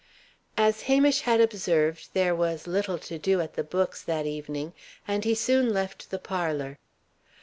As Hamish had observed, there was little to do at the books, that evening, and he soon left the parlour.